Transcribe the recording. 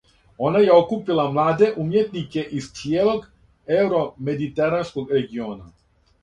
Она је окупила младе умјетнике из цијелог еуромедитеранског региона.